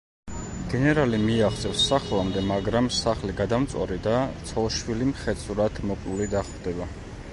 გენერალი მიაღწევს სახლამდე, მაგრამ სახლი გადამწვარი და ცოლ–შვილი მხეცურად მოკლული დახვდება.